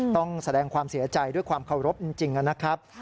ต้องแสดงความเสียใจด้วยความเคารพจริงนะครับ